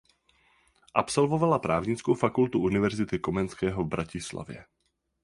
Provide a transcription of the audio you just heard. Absolvovala Právnickou fakultu Univerzity Komenského v Bratislavě.